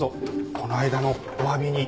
この間のおわびに。